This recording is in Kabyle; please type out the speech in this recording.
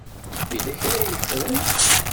Yella kra ay ffren?